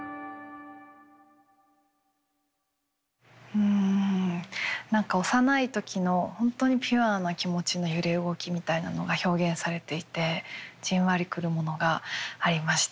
うん何か幼い時の本当にピュアな気持ちの揺れ動きみたいなのが表現されていてじんわり来るものがありました。